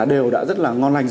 đều đã rất là ngon lành